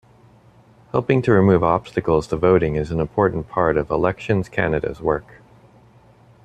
Helping to remove obstacles to voting is an important part of Elections Canada's work.